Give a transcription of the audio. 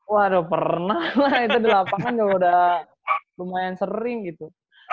waduh pernah lah itu di lapangan juga udah lumayan sering gitu